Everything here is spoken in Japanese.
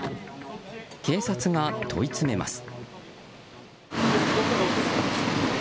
警察が問い詰めます。